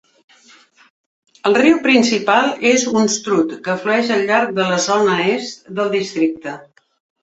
El riu principal és Unstrut, que flueix al llarg de la zona est del districte.